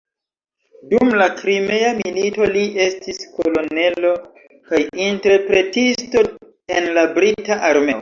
Dum la Krimea milito li estis kolonelo kaj interpretisto en la brita armeo.